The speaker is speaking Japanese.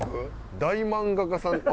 大漫画家さんと。